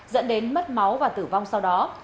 dẫn đến mất máu và tử vong sau đó